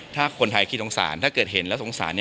ถ้าคนไทยคิดโทงศาลถ้าเกิดเห็นแล้วโทงศาล